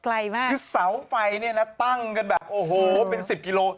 ไกลมากคือเสาไฟตั้งกันแบบ๑๐กิโลเมตร